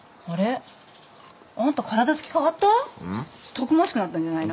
たくましくなったんじゃないの？